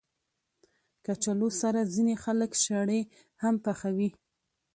کچالو سره ځینې خلک شړې هم پخوي